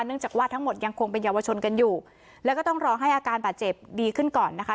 จากว่าทั้งหมดยังคงเป็นเยาวชนกันอยู่แล้วก็ต้องรอให้อาการบาดเจ็บดีขึ้นก่อนนะคะ